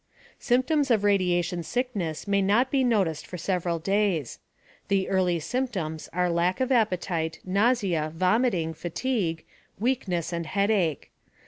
Symptoms of radiation sickness may not be noticed for several days. The early symptoms are lack of appetite, nausea, vomiting, fatigue, weakness and headache.